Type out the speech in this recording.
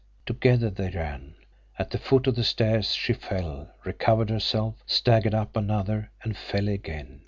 Together they ran. At the foot of the stairs she fell, recovered herself, staggered up another and fell again.